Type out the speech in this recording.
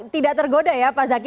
tidak tergoda ya pak zaky